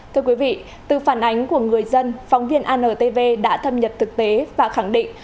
thưa quý vị từ phản ánh của người dân phóng viên antv đã thâm nhập thực tế và khẳng định